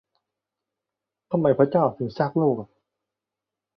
ทำไมพระเจ้าถึงสร้างโลก ?